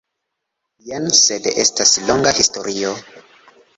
Jes, sed estas longa historio